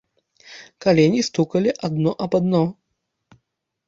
Калені стукалі адно аб адно.